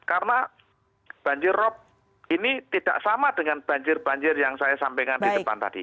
karena banjirrop ini tidak sama dengan banjir banjir yang saya sampaikan di depan tadi